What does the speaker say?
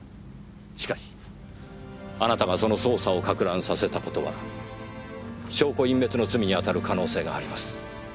しかしあなたがその捜査をかく乱させた事は証拠隠滅の罪にあたる可能性があります。